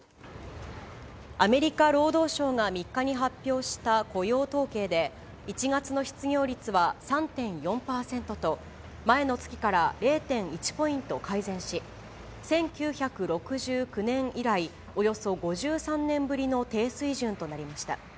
アメリカ労働省が３日に発表した雇用統計で、１月の失業率は３．４％と、前の月から０．１ポイント改善し、１９６９年以来、およそ５３年ぶりの低水準となりました。